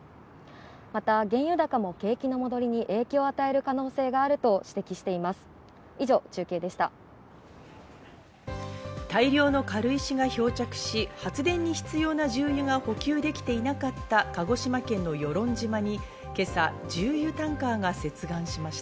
また原油高も景気の戻りに影響を与える可能性があると指摘しています。